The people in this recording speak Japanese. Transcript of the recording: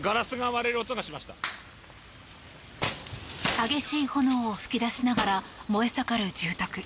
激しい炎を噴き出しながら燃え盛る住宅。